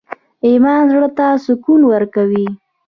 ایمان زړه ته سکون ورکوي؟